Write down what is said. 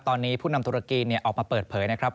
ตอนนี้ผู้นำตุรกีออกมาเปิดเผยนะครับ